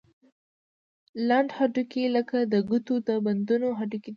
لنډ هډوکي لکه د ګوتو د بندونو هډوکي دي.